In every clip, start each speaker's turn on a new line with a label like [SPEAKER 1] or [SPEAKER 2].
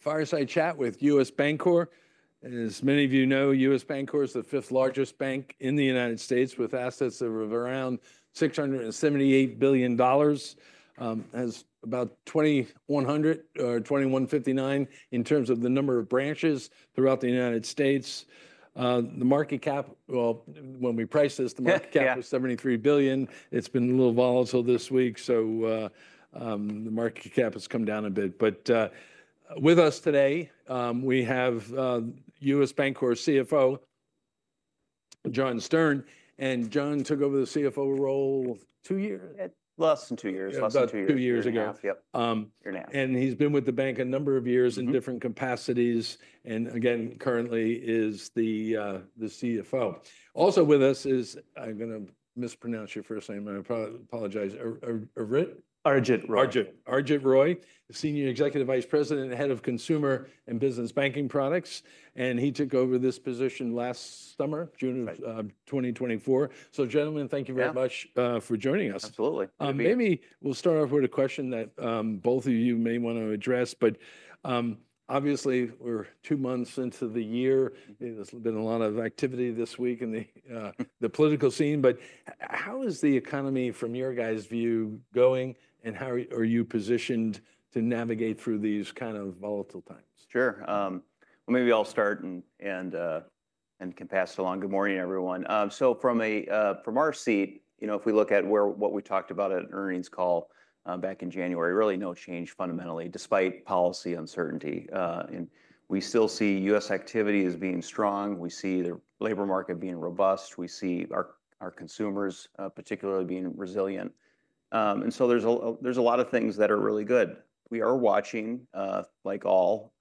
[SPEAKER 1] Fireside chat with U.S. Bancorp. As many of you know, U.S. Bancorp is the fifth largest bank in the United States, with assets of around $678 billion. It has about 2,100 or 2,159 in terms of the number of branches throughout the United States. The market cap, well, when we priced this, the market cap was $73 billion. It's been a little volatile this week, so the market cap has come down a bit. But with us today, we have U.S. Bancorp CFO, John Stern. And John took over the CFO role two years?
[SPEAKER 2] Less than two years. Less than two years.
[SPEAKER 1] Two years ago.
[SPEAKER 2] Two years now.
[SPEAKER 1] He's been with the bank a number of years in different capacities. Again, currently is the CFO. Also with us is. I'm going to mispronounce your first name. I apologize.
[SPEAKER 2] Arijit Roy.
[SPEAKER 1] Arijit Roy, Senior Executive Vice President, Head of Consumer and Business Banking Products. He took over this position last summer, June of 2024. Gentlemen, thank you very much for joining us.
[SPEAKER 2] Absolutely.
[SPEAKER 1] Maybe we'll start off with a question that both of you may want to address. But obviously, we're two months into the year. There's been a lot of activity this week in the political scene. But how is the economy, from your guys' view, going? And how are you positioned to navigate through these kind of volatile times?
[SPEAKER 2] Sure. Maybe I'll start and can pass it along. Good morning, everyone. From our seat, you know, if we look at what we talked about at an earnings call back in January, really no change fundamentally, despite policy uncertainty. We still see U.S. activity as being strong. We see the labor market being robust. We see our consumers particularly being resilient. There's a lot of things that are really good. We are watching, like all,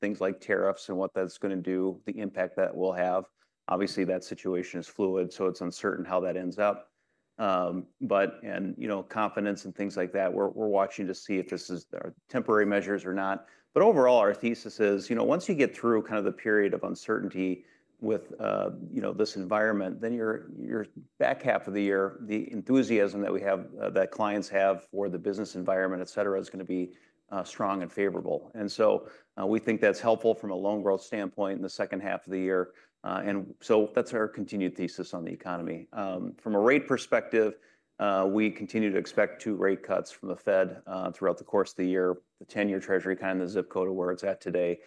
[SPEAKER 2] things like tariffs and what that's going to do, the impact that will have. Obviously, that situation is fluid, so it's uncertain how that ends up. You know, confidence and things like that, we're watching to see if this is temporary measures or not. But overall, our thesis is, you know, once you get through kind of the period of uncertainty with this environment, then your back half of the year, the enthusiasm that we have, that clients have for the business environment, etc, is going to be strong and favorable. And so we think that's helpful from a loan growth standpoint in the second half of the year. And so that's our continued thesis on the economy. From a rate perspective, we continue to expect two rate cuts from the Fed throughout the course of the year. The 10-year Treasury kind of the zip code of where it's at today.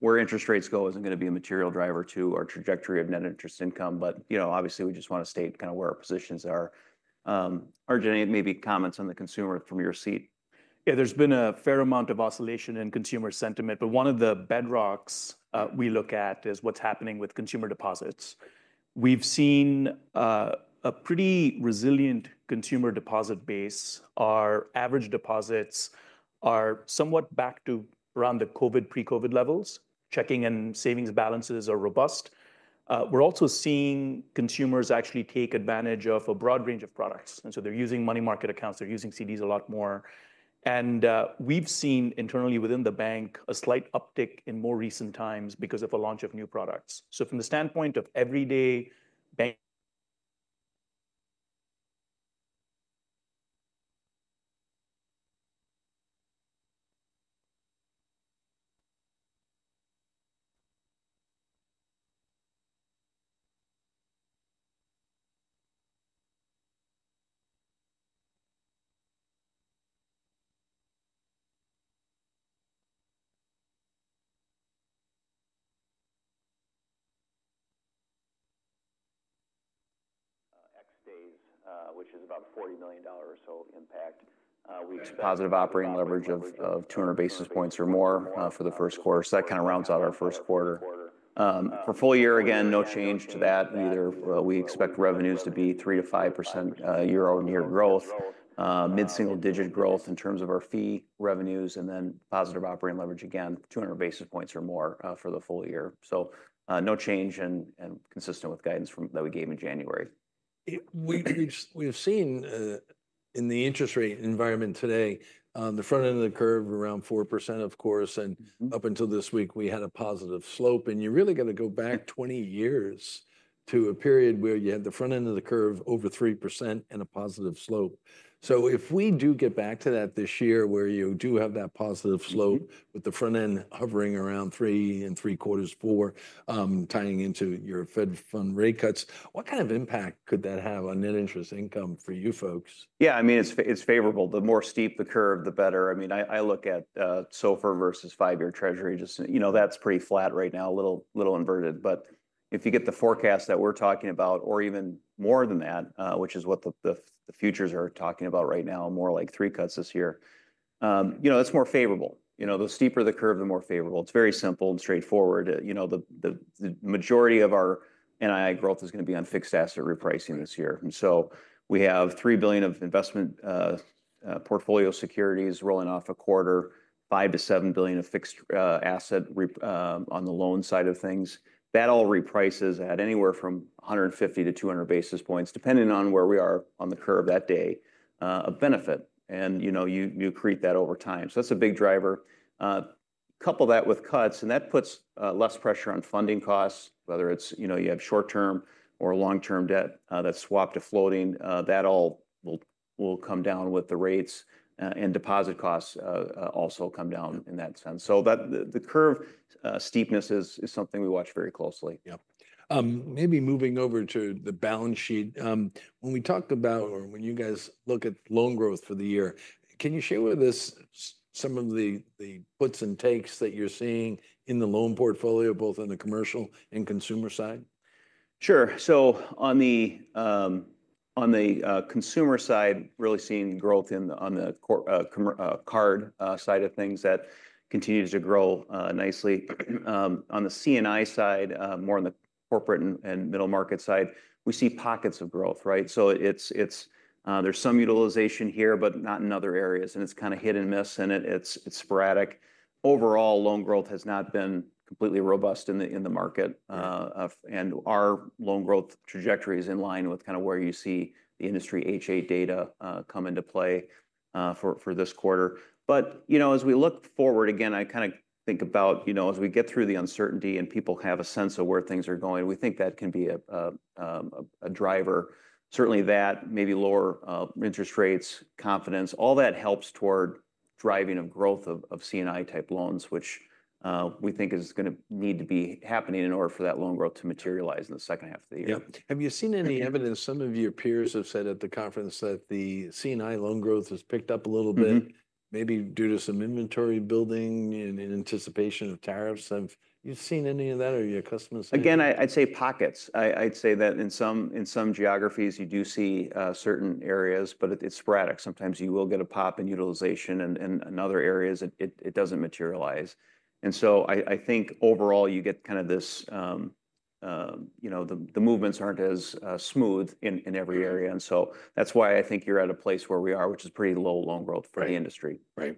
[SPEAKER 2] Where interest rates go isn't going to be a material driver to our trajectory of net interest income. But, you know, obviously, we just want to state kind of where our positions are. Arijit, maybe comments on the consumer from your seat.
[SPEAKER 3] Yeah, there's been a fair amount of oscillation in consumer sentiment. But one of the bedrocks we look at is what's happening with consumer deposits. We've seen a pretty resilient consumer deposit base. Our average deposits are somewhat back to around the COVID, pre-COVID levels. Checking and savings balances are robust. We're also seeing consumers actually take advantage of a broad range of products. And so they're using money market accounts. They're using CDs a lot more. And we've seen internally within the bank a slight uptick in more recent times because of a launch of new products, so from the standpoint of everyday bank.
[SPEAKER 2] X days, which is about $40 million or so of impact. That's positive operating leverage of 200 basis points or more for the Q1. So that kind of rounds out our Q1. For full year, again, no change to that either. We expect revenues to be 3%-5% year-on-year growth, mid-single-digit growth in terms of our fee revenues, and then positive operating leverage again, 200 basis points or more for the full year. So no change and consistent with guidance that we gave in January.
[SPEAKER 1] We've seen in the interest rate environment today, the front end of the curve around 4%, of course. And up until this week, we had a positive slope. And you're really going to go back 20 years to a period where you had the front end of the curve over 3% and a positive slope. So if we do get back to that this year, where you do have that positive slope with the front end hovering around 3% and three-quarters, 4% tying into your fed funds rate cuts, what kind of impact could that have on net interest income for you folks?
[SPEAKER 2] Yeah, I mean, it's favorable. The more steep the curve, the better. I mean, I look at SOFR versus five-year Treasury. You know, that's pretty flat right now, a little inverted. But if you get the forecast that we're talking about, or even more than that, which is what the futures are talking about right now, more like three cuts this year, you know, that's more favorable. You know, the steeper the curve, the more favorable. It's very simple and straightforward. You know, the majority of our NII growth is going to be on fixed asset repricing this year, and so we have $3 billion of investment portfolio securities rolling off a quarter, $5 billion-$7 billion of fixed asset on the loan side of things. That all reprices at anywhere from 150 to 200 basis points, depending on where we are on the curve that day, a benefit. You know, you create that over time. That's a big driver. Couple that with cuts, and that puts less pressure on funding costs, whether it's, you know, you have short-term or long-term debt that's swapped to floating. That all will come down with the rates, and deposit costs also come down in that sense. The curve steepness is something we watch very closely.
[SPEAKER 1] Yep. Maybe moving over to the balance sheet. When we talk about, or when you guys look at loan growth for the year, can you share with us some of the puts and takes that you're seeing in the loan portfolio, both on the commercial and consumer side?
[SPEAKER 2] Sure. So on the consumer side, really seeing growth on the card side of things that continues to grow nicely. On the C&I side, more on the corporate and middle market side, we see pockets of growth, right, so there's some utilization here, but not in other areas, and it's kind of hit and miss, and it's sporadic. Overall, loan growth has not been completely robust in the market, and our loan growth trajectory is in line with kind of where you see the industry H.8 data come into play for this quarter, but, you know, as we look forward, again, I kind of think about, you know, as we get through the uncertainty and people have a sense of where things are going, we think that can be a driver. Certainly that, maybe lower interest rates, confidence, all that helps toward driving of growth of C&I-type loans, which we think is going to need to be happening in order for that loan growth to materialize in the second half of the year.
[SPEAKER 1] Yep. Have you seen any evidence? Some of your peers have said at the conference that the C&I loan growth has picked up a little bit, maybe due to some inventory building in anticipation of tariffs. Have you seen any of that or your customers?
[SPEAKER 2] Again, I'd say pockets. I'd say that in some geographies, you do see certain areas, but it's sporadic. Sometimes you will get a pop in utilization, and in other areas, it doesn't materialize. And so I think overall, you get kind of this, you know, the movements aren't as smooth in every area. And so that's why I think you're at a place where we are, which is pretty low loan growth for the industry.
[SPEAKER 1] Right.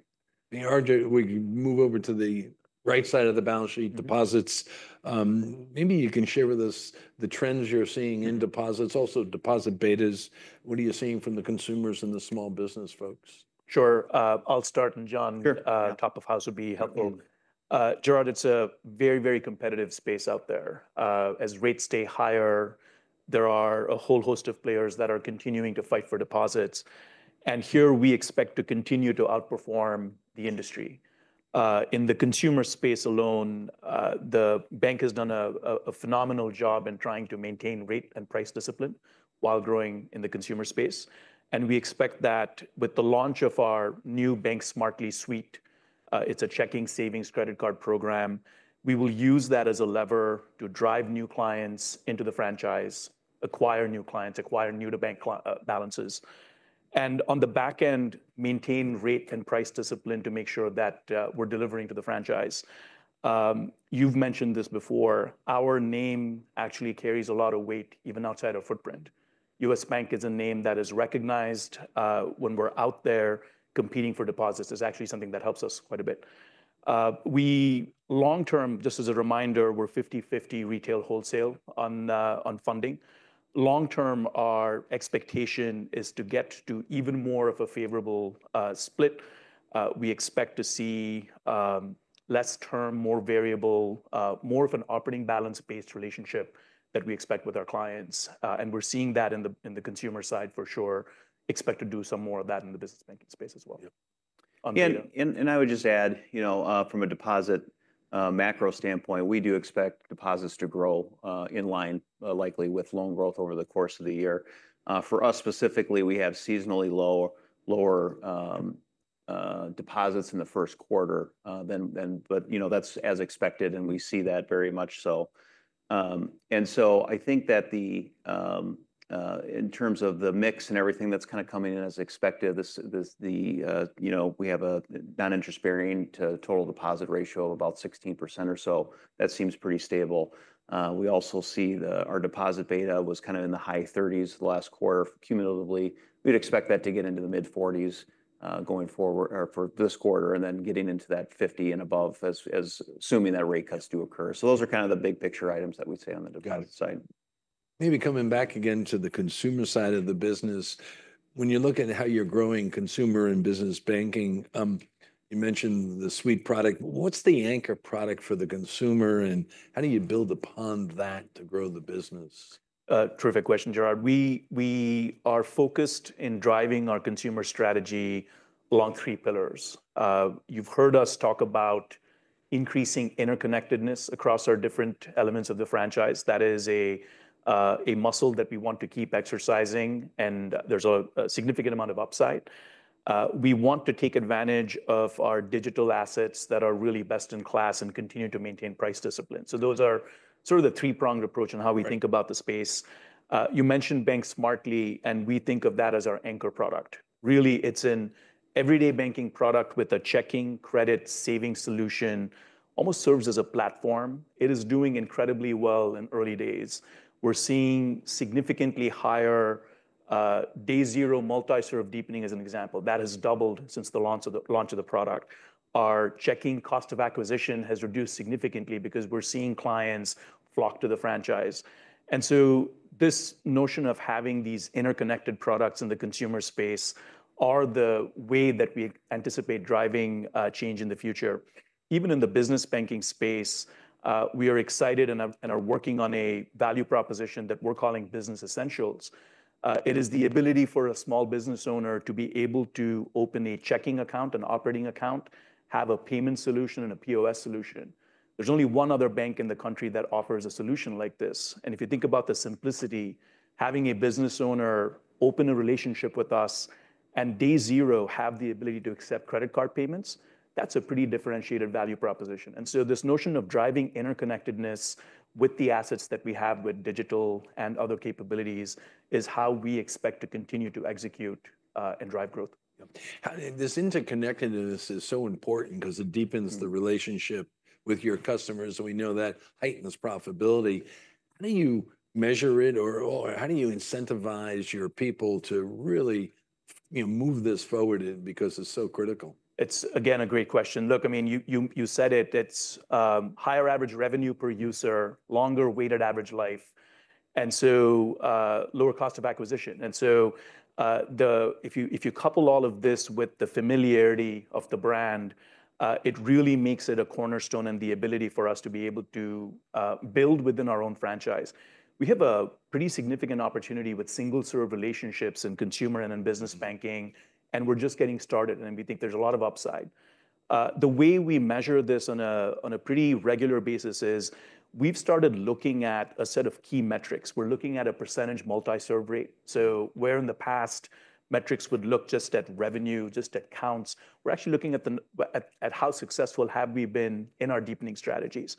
[SPEAKER 1] Arijit, we can move over to the right side of the balance sheet, deposits. Maybe you can share with us the trends you're seeing in deposits, also deposit betas. What are you seeing from the consumers and the small business folks?
[SPEAKER 3] Sure. I'll start, and John, top of house would be helpful. Gerard, it's a very, very competitive space out there. As rates stay higher, there are a whole host of players that are continuing to fight for deposits. And here we expect to continue to outperform the industry. In the consumer space alone, the bank has done a phenomenal job in trying to maintain rate and price discipline while growing in the consumer space. And we expect that with the launch of our new Bank Smartly suite, it's a checking, savings, credit card program, we will use that as a lever to drive new clients into the franchise, acquire new clients, acquire new bank balances, and on the back end, maintain rate and price discipline to make sure that we're delivering to the franchise. You've mentioned this before. Our name actually carries a lot of weight even outside our footprint. U.S. Bank is a name that is recognized when we're out there competing for deposits. It's actually something that helps us quite a bit. We long-term, just as a reminder, we're 50/50 retail wholesale on funding. Long-term, our expectation is to get to even more of a favorable split. We expect to see less term, more variable, more of an operating balance-based relationship that we expect with our clients, and we're seeing that in the consumer side, for sure. Expect to do some more of that in the business banking space as well.
[SPEAKER 1] Yeah.
[SPEAKER 2] I would just add, you know, from a deposit macro standpoint, we do expect deposits to grow in line, likely with loan growth over the course of the year. For us specifically, we have seasonally lower deposits in the Q1. You know, that's as expected, and we see that very much so. So I think that in terms of the mix and everything that's kind of coming in as expected, you know, we have a non-interest bearing to total deposit ratio of about 16% or so. That seems pretty stable. We also see our deposit beta was kind of in the high 30s the last quarter cumulatively. We'd expect that to get into the mid-40s going forward for this quarter and then getting into that 50 and above as, assuming that rate cuts do occur. Those are kind of the big picture items that we say on the deposit side.
[SPEAKER 1] Maybe coming back again to the consumer side of the business. When you look at how you're growing consumer and business banking, you mentioned the suite product. What's the anchor product for the consumer, and how do you build upon that to grow the business?
[SPEAKER 3] Terrific question, Gerard. We are focused in driving our consumer strategy along three pillars. You've heard us talk about increasing interconnectedness across our different elements of the franchise. That is a muscle that we want to keep exercising, and there's a significant amount of upside. We want to take advantage of our digital assets that are really best in class and continue to maintain price discipline. So those are sort of the three-pronged approach and how we think about the space. You mentioned Bank Smartly, and we think of that as our anchor product. Really, it's an everyday banking product with a checking credit savings solution, almost serves as a platform. It is doing incredibly well in early days. We're seeing significantly higher day zero multi-serve deepening as an example. That has doubled since the launch of the product. Our checking cost of acquisition has reduced significantly because we're seeing clients flock to the franchise. And so this notion of having these interconnected products in the consumer space are the way that we anticipate driving change in the future. Even in the business banking space, we are excited and are working on a value proposition that we're calling Business Essentials. It is the ability for a small business owner to be able to open a checking account, an operating account, have a payment solution, and a POS solution. There's only one other bank in the country that offers a solution like this. And if you think about the simplicity, having a business owner open a relationship with us and day zero have the ability to accept credit card payments, that's a pretty differentiated value proposition. This notion of driving interconnectedness with the assets that we have with digital and other capabilities is how we expect to continue to execute and drive growth.
[SPEAKER 1] Yep. This interconnectedness is so important because it deepens the relationship with your customers. And we know that heightens profitability. How do you measure it, or how do you incentivize your people to really move this forward because it's so critical?
[SPEAKER 3] It's, again, a great question. Look, I mean, you said it. It's higher average revenue per user, longer weighted average life, and so lower cost of acquisition, and so if you couple all of this with the familiarity of the brand, it really makes it a cornerstone and the ability for us to be able to build within our own franchise. We have a pretty significant opportunity with single-serve relationships in consumer and in business banking, and we're just getting started, and we think there's a lot of upside. The way we measure this on a pretty regular basis is we've started looking at a set of key metrics. We're looking at a percentage multi-serve rate, so where in the past metrics would look just at revenue, just at counts, we're actually looking at how successful have we been in our deepening strategies.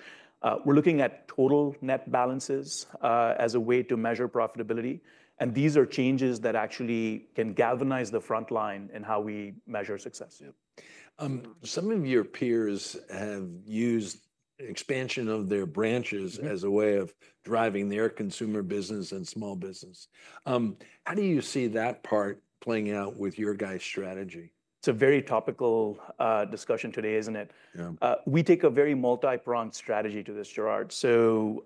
[SPEAKER 3] We're looking at total net balances as a way to measure profitability. These are changes that actually can galvanize the front line in how we measure success.
[SPEAKER 1] Yep. Some of your peers have used expansion of their branches as a way of driving their consumer business and small business. How do you see that part playing out with your guys' strategy?
[SPEAKER 3] It's a very topical discussion today, isn't it?
[SPEAKER 1] Yeah.
[SPEAKER 3] We take a very multi-pronged strategy to this, Gerard. So,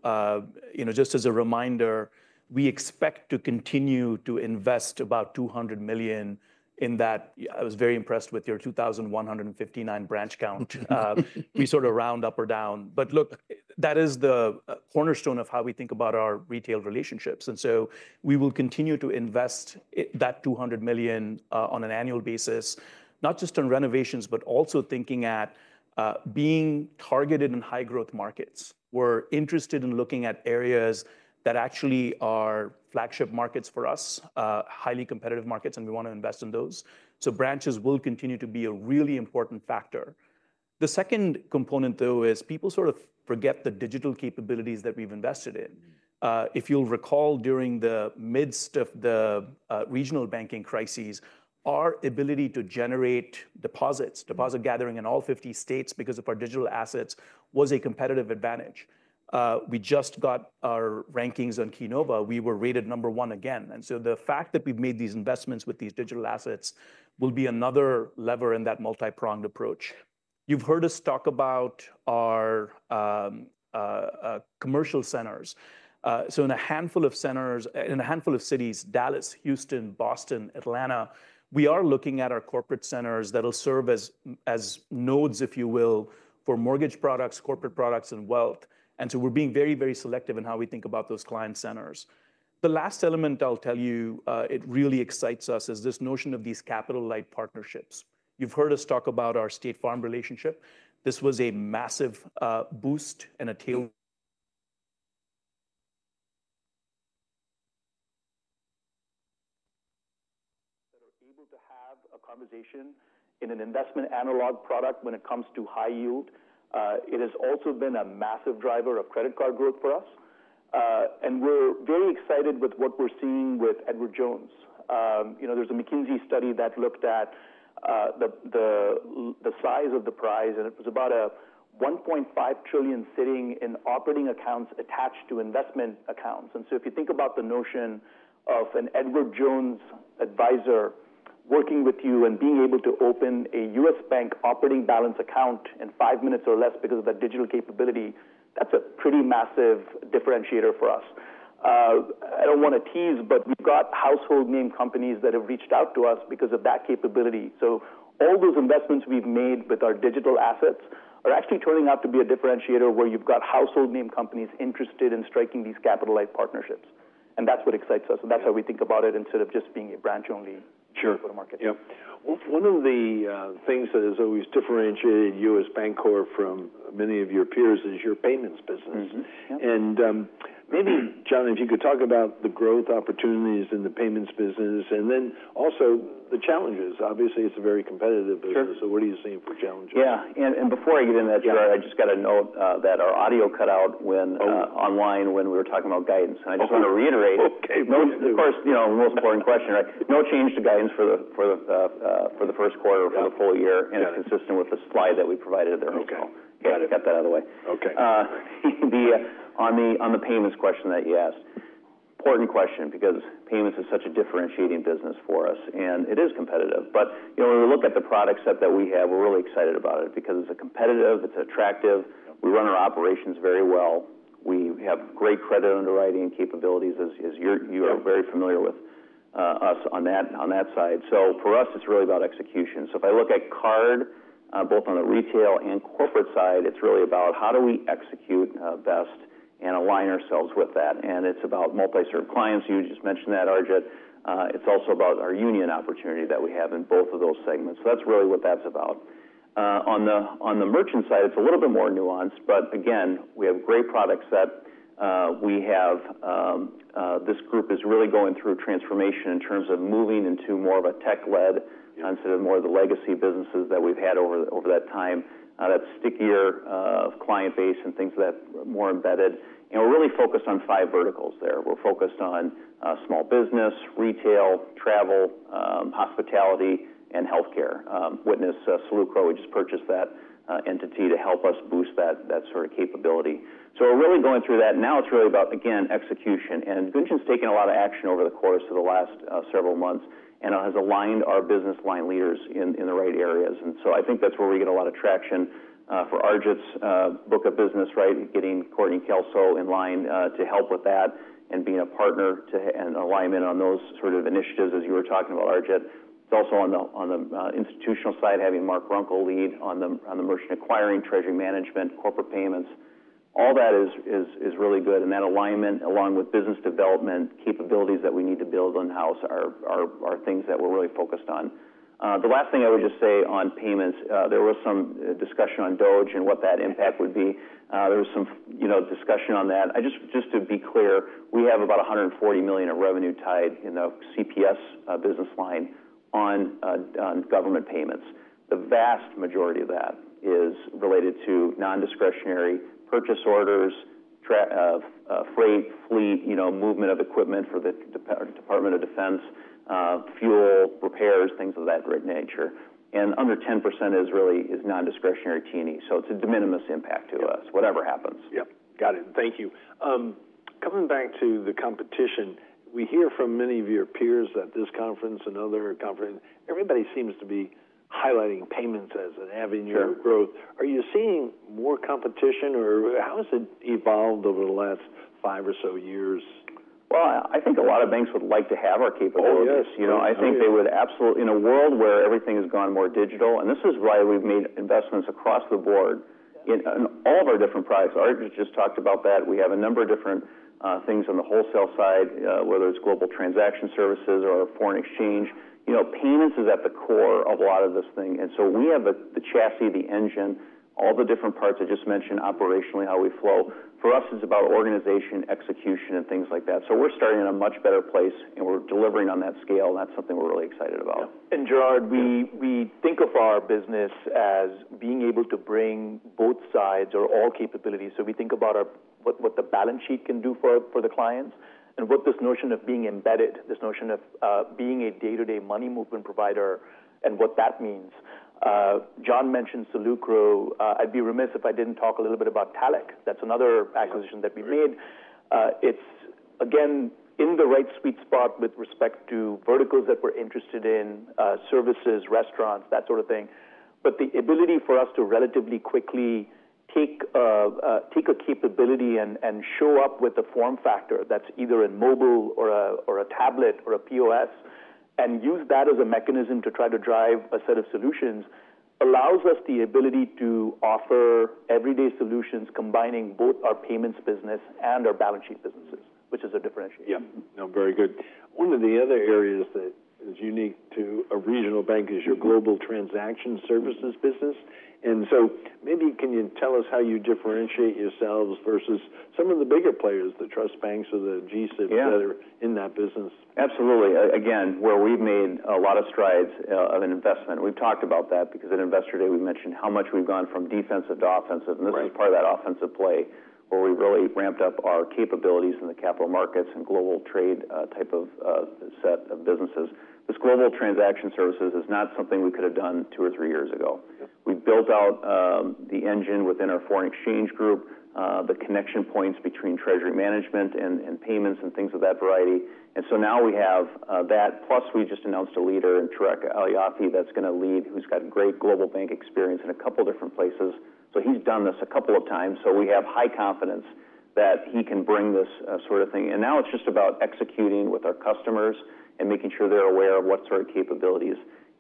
[SPEAKER 3] you know, just as a reminder, we expect to continue to invest about $200 million in that. I was very impressed with your 2,159 branch count. We sort of round up or down. But look, that is the cornerstone of how we think about our retail relationships. And so we will continue to invest that $200 million on an annual basis, not just on renovations, but also thinking at being targeted in high-growth markets. We're interested in looking at areas that actually are flagship markets for us, highly competitive markets, and we want to invest in those. So branches will continue to be a really important factor. The second component, though, is people sort of forget the digital capabilities that we've invested in. If you'll recall during the midst of the regional banking crisis, our ability to generate deposits, deposit gathering in all 50 states because of our digital assets was a competitive advantage. We just got our rankings on Keynova. We were rated number one again, and so the fact that we've made these investments with these digital assets will be another lever in that multi-pronged approach. You've heard us talk about our commercial centers, so in a handful of centers, in a handful of cities, Dallas, Houston, Boston, Atlanta, we are looking at our corporate centers that will serve as nodes, if you will, for mortgage products, corporate products, and wealth. And so we're being very, very selective in how we think about those client centers. The last element I'll tell you it really excites us is this notion of these capital-light partnerships. You've heard us talk about our State Farm relationship. This was a massive boost and a tailwind that are able to have a conversation in an investment analog product when it comes to high yield. It has also been a massive driver of credit card growth for us. And we're very excited with what we're seeing with Edward Jones. You know, there's a McKinsey study that looked at the size of the prize, and it was about a $1.5 trillion sitting in operating accounts attached to investment accounts. And so if you think about the notion of an Edward Jones advisor working with you and being able to open a U.S. Bank operating balance account in five minutes or less because of that digital capability, that's a pretty massive differentiator for us. I don't want to tease, but we've got household name companies that have reached out to us because of that capability. So all those investments we've made with our digital assets are actually turning out to be a differentiator where you've got household name companies interested in striking these capital-light partnerships. And that's what excites us. And that's how we think about it instead of just being a branch-only.
[SPEAKER 1] Sure. One of the things that has always differentiated U.S. Bancorp from many of your peers is your payments business. And maybe, John, if you could talk about the growth opportunities in the payments business and then also the challenges. Obviously, it's a very competitive business, so what are you seeing for challenges?
[SPEAKER 2] Yeah. And before I get in that, Gerard, I just got a note that our audio cut out online when we were talking about guidance. And I just want to reiterate.
[SPEAKER 1] Okay.
[SPEAKER 2] Of course, you know, the most important question, right? No change to guidance for the Q1 or for the full year and consistent with the slide that we provided at the end.
[SPEAKER 1] Okay.
[SPEAKER 2] Got that out of the way.
[SPEAKER 1] Okay.
[SPEAKER 2] On the payments question that you asked, important question because payments is such a differentiating business for us, and it is competitive. But, you know, when we look at the product set that we have, we're really excited about it because it's competitive, it's attractive. We run our operations very well. We have great credit underwriting capabilities, as you are very familiar with us on that side. So for us, it's really about execution. So if I look at card, both on the retail and corporate side, it's really about how do we execute best and align ourselves with that. And it's about multi-serve clients. You just mentioned that, Arijit. It's also about our Union opportunity that we have in both of those segments. So that's really what that's about. On the merchant side, it's a little bit more nuanced. But again, we have great products that we have. This group is really going through transformation in terms of moving into more of a tech-led instead of more of the legacy businesses that we've had over that time. That's stickier client base and things that are more embedded, and we're really focused on five verticals there. We're focused on small business, retail, travel, hospitality, and healthcare. Witness Salucro. We just purchased that entity to help us boost that sort of capability. So we're really going through that. Now it's really about, again, execution, and Gunjan's taken a lot of action over the course of the last several months and has aligned our business line leaders in the right areas. And so I think that's where we get a lot of traction for Arijit's book of business, right, getting Courtney Kelso in line to help with that and being a partner and alignment on those sort of initiatives, as you were talking about, Arijit. It's also on the institutional side, having Mark Runkel lead on the merchant acquiring, treasury management, corporate payments. All that is really good. And that alignment, along with business development capabilities that we need to build in-house, are things that we're really focused on. The last thing I would just say on payments, there was some discussion on DOGE and what that impact would be. There was some, you know, discussion on that. Just to be clear, we have about $140 million of revenue tied in the CPS business line on government payments. The vast majority of that is related to non-discretionary purchase orders, freight, fleet, you know, movement of equipment for the Department of Defense, fuel, repairs, things of that nature, and under 10% is really non-discretionary T&E, so it's a de minimis impact to us, whatever happens.
[SPEAKER 1] Yep. Got it. Thank you. Coming back to the competition, we hear from many of your peers at this conference and other conferences, everybody seems to be highlighting payments as an avenue of growth. Are you seeing more competition, or how has it evolved over the last five or so years?
[SPEAKER 2] I think a lot of banks would like to have our capabilities.
[SPEAKER 1] Oh, yes.
[SPEAKER 2] You know, I think they would absolutely, in a world where everything has gone more digital, and this is why we've made investments across the board in all of our different products. Arijit just talked about that. We have a number of different things on the wholesale side, whether it's Global Transaction Services or Foreign Exchange. You know, payments is at the core of a lot of this thing, and so we have the chassis, the engine, all the different parts I just mentioned, operationally, how we flow. For us, it's about organization, execution, and things like that, so we're starting in a much better place, and we're delivering on that scale, and that's something we're really excited about.
[SPEAKER 3] Gerard, we think of our business as being able to bring both sides or all capabilities. We think about what the balance sheet can do for the clients and what this notion of being embedded, this notion of being a day-to-day money movement provider and what that means. John mentioned Salucro. I'd be remiss if I didn't talk a little bit about Talech. That's another acquisition that we've made. It's, again, in the right sweet spot with respect to verticals that we're interested in, services, restaurants, that sort of thing. But the ability for us to relatively quickly take a capability and show up with a form factor that's either a mobile or a tablet or a POS and use that as a mechanism to try to drive a set of solutions allows us the ability to offer everyday solutions combining both our payments business and our balance sheet businesses, which is a differentiator.
[SPEAKER 1] Yep. No, very good. One of the other areas that is unique to a regional bank is your Global Transaction Services business. And so maybe can you tell us how you differentiate yourselves versus some of the bigger players, the trust banks or the GSIBs that are in that business?
[SPEAKER 2] Absolutely. Again, where we've made a lot of strides of an investment. We've talked about that because at Investor Day, we mentioned how much we've gone from defensive to offensive, and this is part of that offensive play where we really ramped up our capabilities in the capital markets and global trade type of set of businesses. This global transaction services is not something we could have done two or three years ago. We built out the engine within our foreign exchange group, the connection points between treasury management and payments and things of that variety. And so now we have that. Plus, we just announced a leader, Tarek El-Yafi, that's going to lead, who's got great global bank experience in a couple of different places. So he's done this a couple of times. So we have high confidence that he can bring this sort of thing. Now it's just about executing with our customers and making sure they're aware of what sort of capabilities.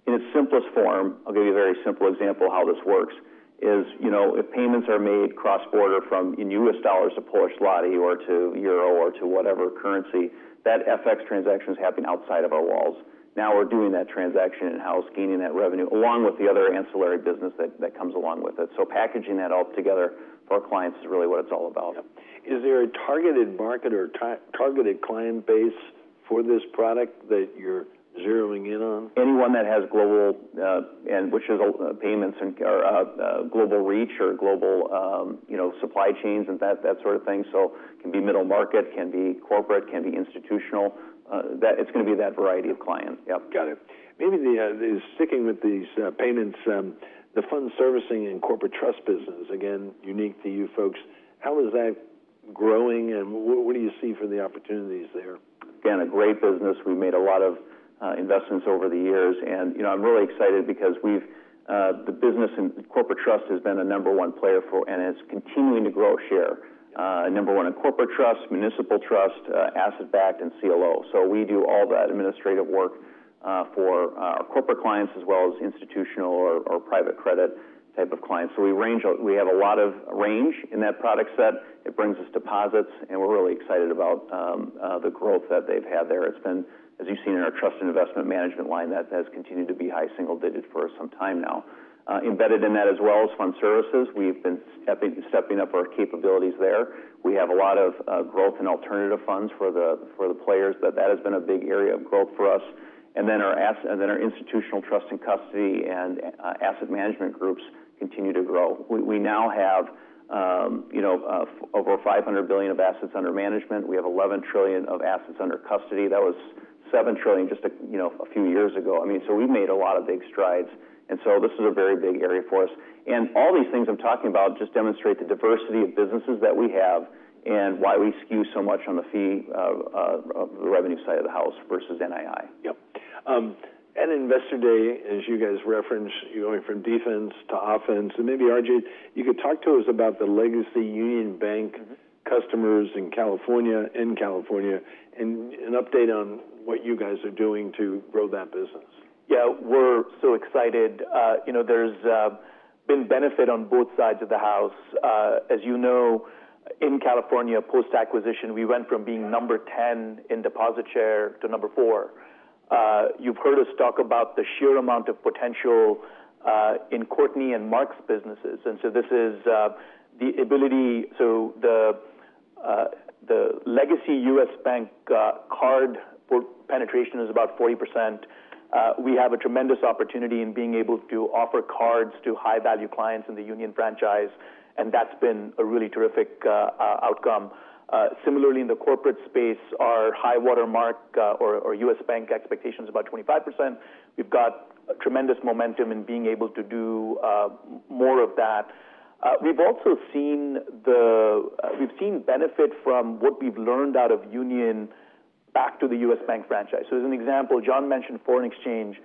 [SPEAKER 2] In its simplest form, I'll give you a very simple example of how this works, is, you know, if payments are made cross-border from U.S. dollars to Polish złoty or to euro or to whatever currency, that FX transaction is happening outside of our walls. Now we're doing that transaction in-house, gaining that revenue along with the other ancillary business that comes along with it. So packaging that all together for our clients is really what it's all about.
[SPEAKER 1] Yep. Is there a targeted market or targeted client base for this product that you're zeroing in on?
[SPEAKER 2] Anyone that has global, which is payments and global reach or global, you know, supply chains and that sort of thing, so it can be middle market, can be corporate, can be institutional. It's going to be that variety of clients. Yep.
[SPEAKER 1] Got it. Maybe sticking with these payments, the fund servicing and corporate trust business, again, unique to you folks. How is that growing and what do you see for the opportunities there?
[SPEAKER 2] Again, a great business. We've made a lot of investments over the years. And, you know, I'm really excited because the business in corporate trust has been a number one player for and is continuing to grow share. Number one in corporate trust, municipal trust, asset-backed, and CLO. So we do all that administrative work for our corporate clients as well as institutional or private credit type of clients. So we have a lot of range in that product set. It brings us deposits, and we're really excited about the growth that they've had there. It's been, as you've seen in our trust and investment management line, that has continued to be high single-digit for some time now. Embedded in that as well as fund services, we've been stepping up our capabilities there. We have a lot of growth in alternative funds for the players. That has been a big area of growth for us. And then our institutional trust and custody and asset management groups continue to grow. We now have, you know, over $500 billion of assets under management. We have $11 trillion of assets under custody. That was $7 trillion just a few years ago. I mean, so we've made a lot of big strides. And so this is a very big area for us. And all these things I'm talking about just demonstrate the diversity of businesses that we have and why we skew so much on the fee of the revenue side of the house versus NII.
[SPEAKER 1] Yep. At Investor Day, as you guys referenced, you're going from defense to offense. And maybe, Arijit, you could talk to us about the legacy Union Bank customers in California and an update on what you guys are doing to grow that business.
[SPEAKER 3] Yeah, we're so excited. You know, there's been benefit on both sides of the house. As you know, in California, post-acquisition, we went from being number 10 in deposit share to number four. You've heard us talk about the sheer amount of potential in Courtney and Mark's businesses. And so this is the ability. So the legacy U.S. Bank card penetration is about 40%. We have a tremendous opportunity in being able to offer cards to high-value clients in the Union franchise. And that's been a really terrific outcome. Similarly, in the corporate space, our high-water mark or U.S. Bank expectation is about 25%. We've got tremendous momentum in being able to do more of that. We've also seen benefit from what we've learned out of Union back to the U.S. Bank franchise. So as an example, John mentioned foreign exchange.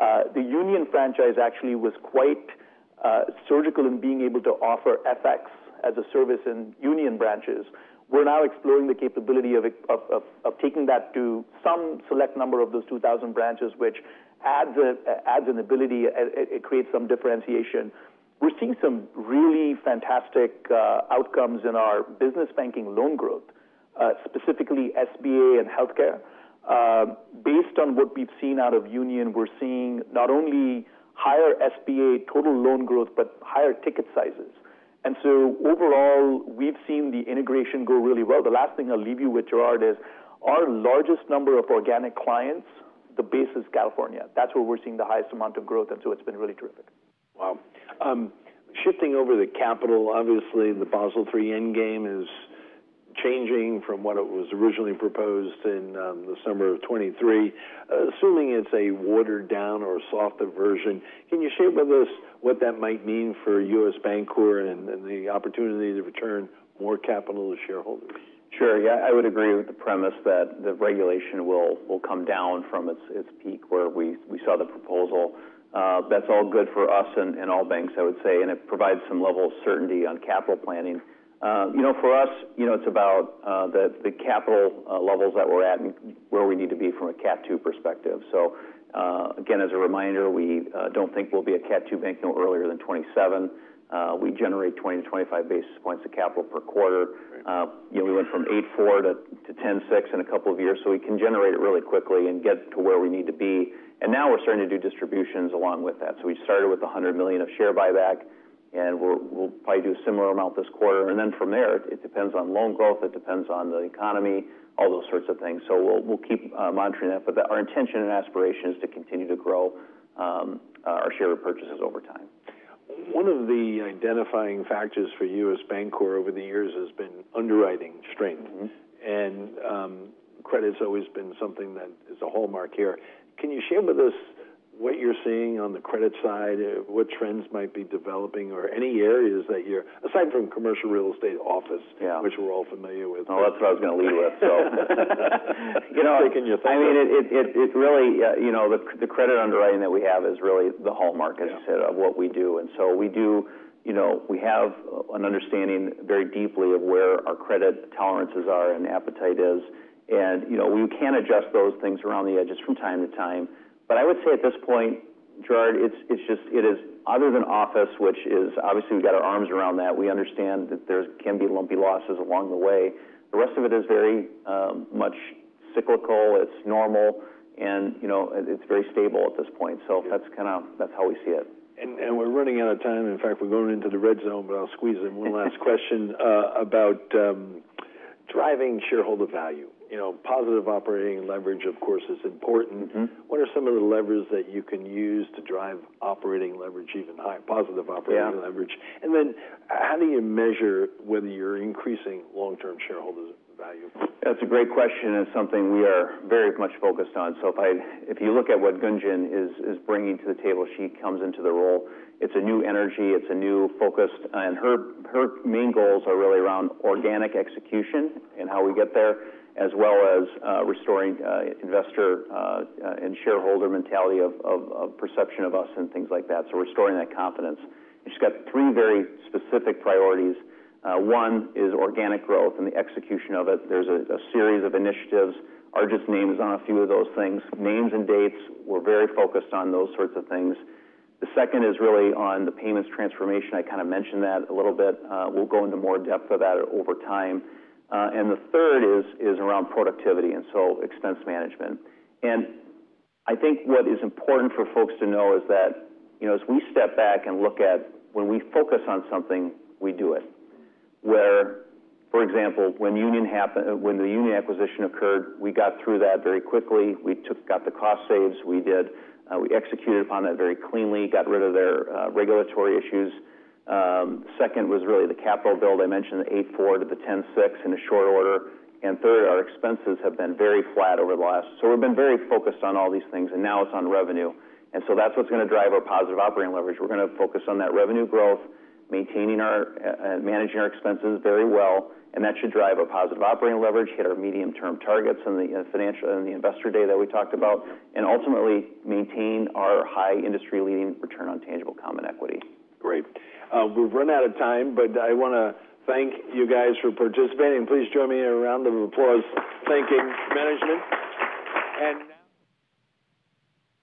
[SPEAKER 3] The Union franchise actually was quite surgical in being able to offer FX as a service in Union branches. We're now exploring the capability of taking that to some select number of those 2,000 branches, which adds an ability. It creates some differentiation. We're seeing some really fantastic outcomes in our business banking loan growth, specifically SBA and healthcare. Based on what we've seen out of Union, we're seeing not only higher SBA total loan growth, but higher ticket sizes, and so overall, we've seen the integration go really well. The last thing I'll leave you with, Gerard, is our largest number of organic clients; the base is California. That's where we're seeing the highest amount of growth, and so it's been really terrific.
[SPEAKER 1] Wow. Shifting over to the capital, obviously, the Basel III Endgame is changing from what it was originally proposed in the summer of 2023, assuming it's a watered-down or softer version. Can you share with us what that might mean for U.S. Bancorp and the opportunity to return more capital to shareholders?
[SPEAKER 2] Sure. Yeah, I would agree with the premise that the regulation will come down from its peak where we saw the proposal. That's all good for us and all banks, I would say, and it provides some level of certainty on capital planning. You know, for us, you know, it's about the capital levels that we're at and where we need to be from a CAT II perspective. So again, as a reminder, we don't think we'll be a CAT II bank no earlier than 2027. We generate 20-25 basis points of capital per quarter. You know, we went from 8.4-10.6 in a couple of years. So we can generate it really quickly and get to where we need to be, and now we're starting to do distributions along with that. We started with $100 million of share buyback, and we'll probably do a similar amount this quarter. And then from there, it depends on loan growth. It depends on the economy, all those sorts of things. So we'll keep monitoring that. But our intention and aspiration is to continue to grow our share of purchases over time.
[SPEAKER 1] One of the identifying factors for U.S. Bancorp over the years has been underwriting strength. And credit's always been something that is a hallmark here. Can you share with us what you're seeing on the credit side, what trends might be developing, or any areas that you're, aside from commercial real estate office, which we're all familiar with?
[SPEAKER 2] No, that's what I was going to lead with. So. You know, I mean, it really, you know, the credit underwriting that we have is really the hallmark, as you said, of what we do, and so we do, you know, we have an understanding very deeply of where our credit tolerances are and appetite is, and, you know, we can adjust those things around the edges from time to time, but I would say at this point, Gerard, it's just, it is other than office, which is obviously we've got our arms around that. We understand that there can be lumpy losses along the way. The rest of it is very much cyclical. It's normal, and, you know, it's very stable at this point, so that's kind of, that's how we see it, and we're running out of time. In fact, we're going into the red zone, but I'll squeeze in one last question about driving shareholder value.
[SPEAKER 1] You know, positive operating leverage, of course, is important. What are some of the levers that you can use to drive operating leverage even higher, positive operating leverage? And then how do you measure whether you're increasing long-term shareholder value?
[SPEAKER 2] That's a great question and something we are very much focused on, so if you look at what Gunjan is bringing to the table, she comes into the role. It's a new energy. It's a new focus, and her main goals are really around organic execution and how we get there, as well as restoring investor and shareholder mentality of perception of us and things like that, so restoring that confidence. She's got three very specific priorities. One is organic growth and the execution of it. There's a series of initiatives. Arijit's name is on a few of those things. Names and dates. We're very focused on those sorts of things. The second is really on the payments transformation. I kind of mentioned that a little bit. We'll go into more depth of that over time, and the third is around productivity and so expense management. I think what is important for folks to know is that, you know, as we step back and look at when we focus on something, we do it. For example, when Union happened, when the Union acquisition occurred, we got through that very quickly. We got the cost saves. We executed upon that very cleanly, got rid of their regulatory issues. Second was really the capital build. I mentioned the 8.4%-10.6% in short order. Third, our expenses have been very flat over the last. We've been very focused on all these things, and now it's on revenue. So that's what's going to drive our positive operating leverage. We're going to focus on that revenue growth, maintaining our and managing our expenses very well. That should drive a positive Operating Leverage, hit our medium-term targets on the Investor Day that we talked about, and ultimately maintain our high industry-leading Return on Tangible Common Equity.
[SPEAKER 1] Great. We've run out of time, but I want to thank you guys for participating. Please join me in a round of applause thanking management and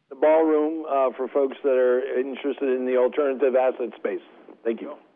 [SPEAKER 1] the ballroom for folks that are interested in the alternative asset space. Thank you.